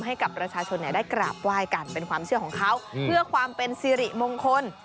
ให้กับประชาชนได้กราบไหว้กันเป็นความเชื่อของเขาเพื่อความเป็นสิริมงคล